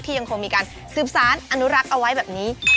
ยังคงมีการสืบสารอนุรักษ์เอาไว้แบบนี้